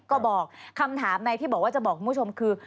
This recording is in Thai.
ก็บอกคำถามในที่บอกว่าจะบอกคุณผู้ชมคือ